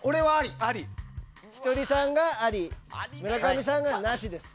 ひとりさんが、あり村上さんが、なしです。